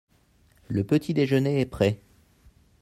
Le petit-déjeuner est prêt.